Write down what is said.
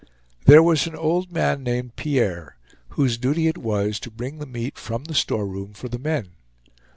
There was an old man named Pierre, whose duty it was to bring the meat from the storeroom for the men.